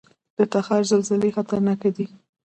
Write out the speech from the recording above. د تخار زلزلې خطرناکې دي